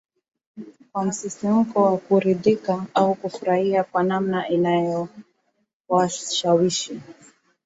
kwa msisimko wa kuridhika au kufurahia kwa namna inayowashawishi